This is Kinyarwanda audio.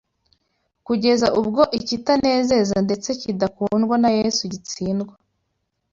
kugeza ubwo ikitanezeza ndetse kidakundwa na Yesu gitsindwa.